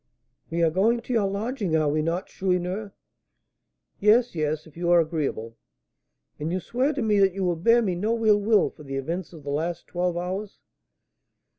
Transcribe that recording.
"We are going to your lodging, are we not, Chourineur?" "Yes, yes, if you are agreeable." "And you swear to me that you bear me no ill will for the events of the last twelve hours?"